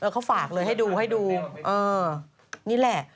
เขาฝากเลยให้ดูนี่แหละ